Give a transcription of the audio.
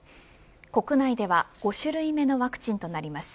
国内では５種類目のワクチンとなります。